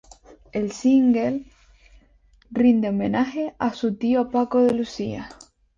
El single rinde homenaje a su tío Paco de Lucía.